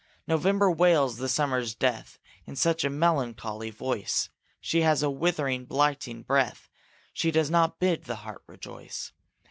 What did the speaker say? November wails the summer's death In such a melancholy voice, She has a withering, blighting breath; She does not bid the heart rejoice.